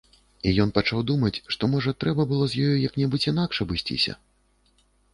І ён пачаў думаць, што, можа, трэба было з ёю як-небудзь інакш абысціся?